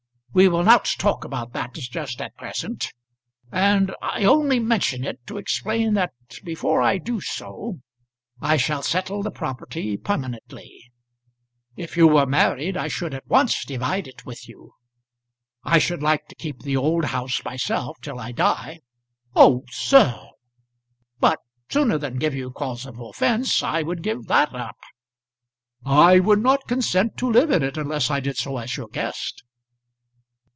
We will not talk about that just at present, and I only mention it to explain that before I do so, I shall settle the property permanently. If you were married I should at once divide it with you. I should like to keep the old house myself, till I die " "Oh, Sir!" "But sooner than give you cause of offence I would give that up." "I would not consent to live in it unless I did so as your guest."